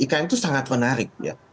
ikn itu sangat menarik ya